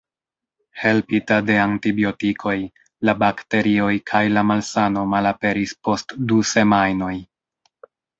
Helpita de antibiotikoj, la bakterioj kaj la malsano malaperis post du semajnoj.